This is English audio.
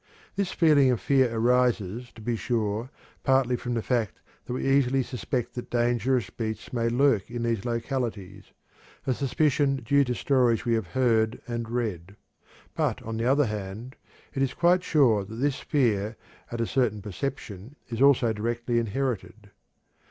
This feeling of fear arises, to be sure, partly from the fact that we easily suspect that dangerous beasts may lurk in these localities a suspicion due to stories we have heard and read. But, on the other hand, it is quite sure that this fear at a certain perception is also directly inherited.